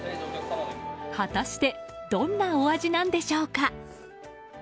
果たしてどんなお味なんでしょうか。